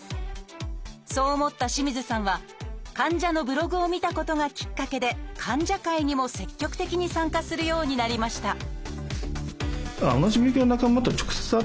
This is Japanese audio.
そう思った清水さんは患者のブログを見たことがきっかけで患者会にも積極的に参加するようになりました